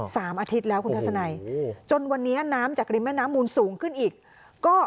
อาทิตย์แล้วคุณทัศนัยจนวันนี้น้ำจากริมแม่น้ำมูลสูงขึ้นอีกก็